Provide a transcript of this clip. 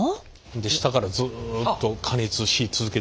下からずっと加熱し続けてる。